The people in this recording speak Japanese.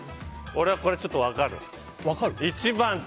俺は、これちょっと分かる。